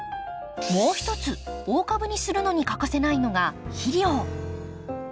もう一つ大株にするのに欠かせないのが肥料。